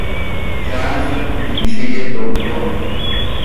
جذر، ریشهی دوم